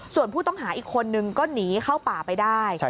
ส่วนผู้ต้องหาอีกคนนึงก็หนีเข้าป่าไปได้